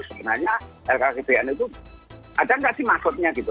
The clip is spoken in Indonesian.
sebenarnya lkgbn itu ada nggak sih maksudnya gitu